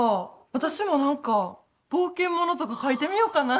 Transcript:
私も何か冒険物とか書いてみようかな。